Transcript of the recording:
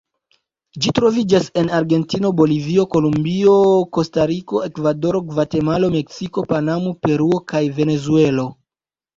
Ĝi troviĝas en Argentino, Bolivio, Kolumbio, Kostariko, Ekvadoro, Gvatemalo, Meksiko, Panamo, Peruo kaj Venezuelo.